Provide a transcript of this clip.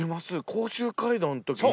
甲州街道の時に。